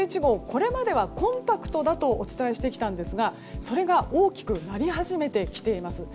これまではコンパクトだとお伝えしてきたんですが、それが大きくなり始めてきています。